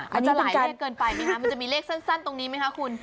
มันจะหมายเลขเกินไปมั้ยคะมันจะมีเลขสั้นตรงนี้มั้ยค่ะคุณ